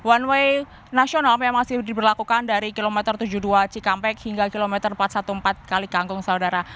one way nasional yang masih diberlakukan dari kilometer tujuh puluh dua cikampek hingga kilometer empat ratus empat belas kali kangkung saudara